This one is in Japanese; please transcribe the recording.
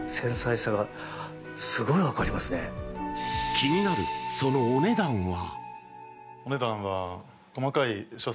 気になる、そのお値段は。